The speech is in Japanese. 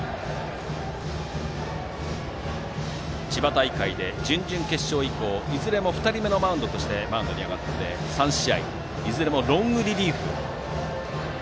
千葉大会で準々決勝以降いずれも２人目としてマウンドに上がって３試合いずれもロングリリーフ。